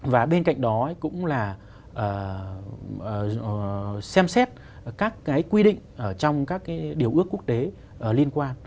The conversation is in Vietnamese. và bên cạnh đó cũng là xem xét các cái quy định ở trong các cái điều ước quốc tế liên quan